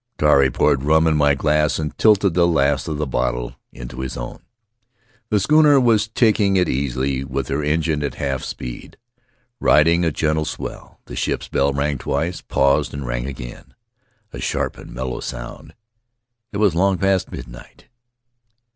Tari poured rum into my glass, and tilted the last of the bottle into his own. The schooner was taking it easily with her engine at half speed, riding a gentle swell. The ship's bell rang twice, paused, and rang again — a sharp and mellow sound. It was long past midnight.